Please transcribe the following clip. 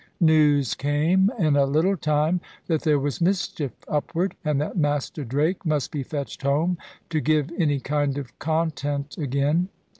News came, in a little time, that there was mischief upward, and that Master Drake must be fetched home, to give any kind of content again.